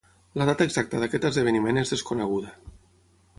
La data exacta d'aquest esdeveniment és desconeguda.